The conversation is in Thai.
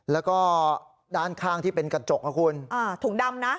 แล้วก็ด้านข้างที่เป็นกระจกนะคุณอ่าถุงดำนะ